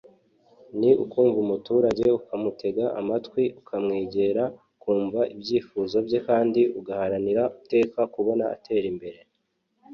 ni ukumva umuturage ukamutega amatwi ukamwegera ukumva ibyifuzo bye kandi ugaharanira iteka kubona atera imbere